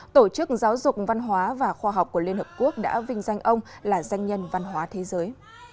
tổ chức giáo dục văn hóa và khoa học của liên hợp quốc đã vinh danh ông là danh nhân văn hóa thế giới